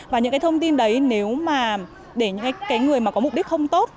và những cái thông tin đấy nếu mà để những cái người mà có mục đích không tốt